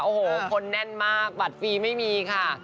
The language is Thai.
โอ้โหคนแน่นมากบัตรฟรีไม่มีค่ะ